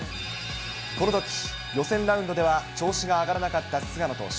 このとき、予選ラウンドでは調子が上がらなかった菅野投手。